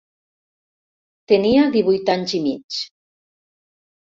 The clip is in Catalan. Tenia divuit anys i mig.